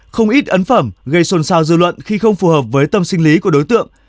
không ít ấn phẩm gây xôn xao dư luận khi không phù hợp với tâm sinh lý của đối tượng